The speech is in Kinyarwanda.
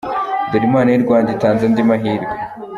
Dore Imana y’i Rwanda itanze andi mahirwe!